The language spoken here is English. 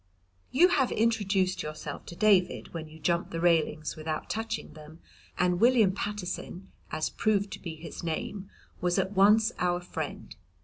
You have introduced yourself to David when you jump the railings without touching them, and William Paterson (as proved to be his name) was at once our friend.